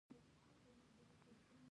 • شیدې د شحمو سوځولو لپاره هم ګټورې دي.